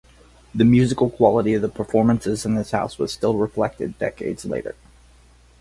The musical quality of the performances in this house was still reflected decades later.